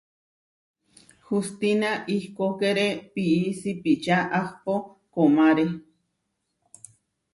Hustina ihkókere pií sipičá ahpó komáre.